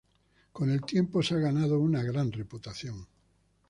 Con el tiempo se ha ganado una gran reputación.